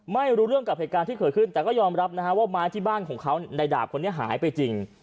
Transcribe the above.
ไม่รู้เรื่องกับเหตุการณ์ที่เกิดขึ้นแต่ก็ยอมรับนะฮะว่าไม้ที่บ้านของเขาในดาบคนนี้หายไปจริง